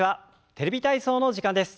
「テレビ体操」の時間です。